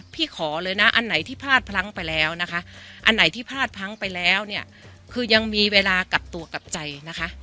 ขอเลยนะอันไหนที่พลาดพลั้งไปแล้วนะคะอันไหนที่พลาดพลั้งไปแล้วเนี่ยคือยังมีเวลากลับตัวกลับใจนะคะ